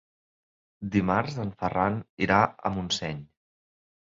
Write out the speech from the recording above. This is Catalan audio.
Dimarts en Ferran irà a Montseny.